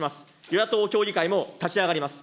与野党協議会も立ち上がります。